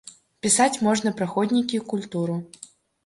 Пісаць можна пра ходнікі і культуру.